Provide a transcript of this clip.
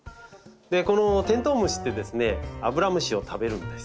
このテントウムシってアブラムシを食べるんです。